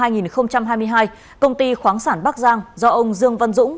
năm hai nghìn hai mươi hai công ty khoáng sản bắc giang do ông dương văn dũng